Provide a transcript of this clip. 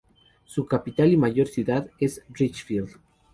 Su capital y mayor ciudad es Richfield.